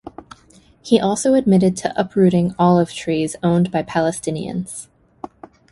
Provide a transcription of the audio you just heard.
He also admitted to uprooting olive trees owned by Palestinians.